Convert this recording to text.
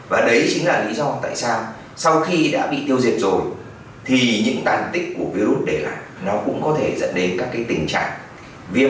và đấy chính là lý do tại sao sau khi đã bị tiêu diệt rồi thì những tàn tích của virus để lại nó cũng có thể dẫn đến các cái tình trạng viêm đa cơ quan